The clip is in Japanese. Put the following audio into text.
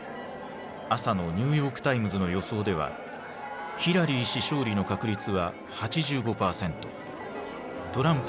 朝のニューヨークタイムズの予想ではヒラリー氏勝利の確率は８５％トランプ氏は１５％だった。